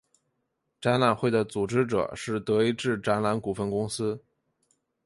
展览会的组织者是德意志展览股份公司。